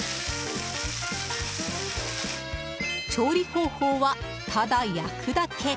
調理方法は、ただ焼くだけ。